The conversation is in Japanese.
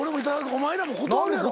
お前らも断るやろ？